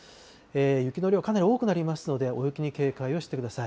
雪の量、かなり多くなりますので、大雪に警戒をしてください。